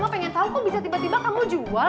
mama pengen tau kok bisa tiba tiba kamu jual